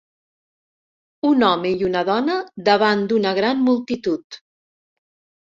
Un home i una dona davant d'una gran multitud.